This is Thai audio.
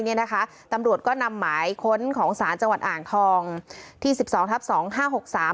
เนี่ยนะคะตำรวจก็นำหมายค้นของศาลจังหวัดอ่างทองที่สิบสองทับสองห้าหกสาม